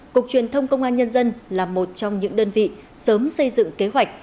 cục truyền thông công an nhân dân là một trong những đơn vị sớm xây dựng kế hoạch